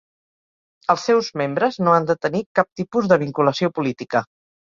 Els seus membres no han de tenir cap tipus de vinculació política.